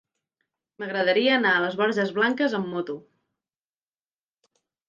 M'agradaria anar a les Borges Blanques amb moto.